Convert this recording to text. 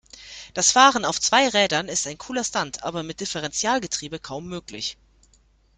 Das Fahren auf zwei Rädern ist ein cooler Stunt, aber mit Differentialgetriebe kaum möglich.